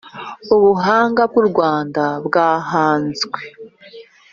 Ubuhanga bw'i Rwanda rwahanzwe